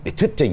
để thuyết trình